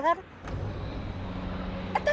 suaraku udah sadar